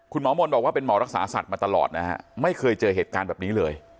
คุณหมอมนต์บอกว่าเป็นหมอรักษาสัตว์มาตลอดนะฮะไม่เคยเจอเหตุการณ์แบบนี้เลย